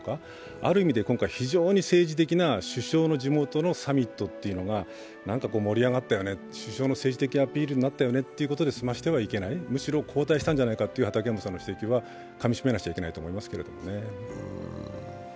ある意味で今回、非常に政治的な首相の地元のサミットというのが盛り上がったよね、首相の政治的アピールで盛り上がったよねで済ましてはいけない、むしろ後退したんじゃないかという畠山さんの指摘は、かみしめなければいけないと思いますけどね。